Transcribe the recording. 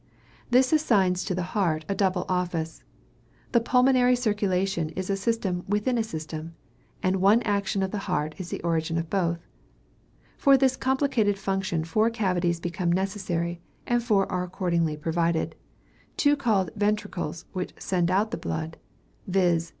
This assigns to the heart a double office. The pulmonary circulation is a system within a system; and one action of the heart is the origin of both. For this complicated function four cavities become necessary, and four are accordingly provided; two called ventricles, which send out the blood, viz.